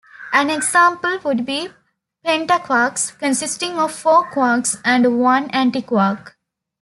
An example would be pentaquarks, consisting of four quarks and one antiquark.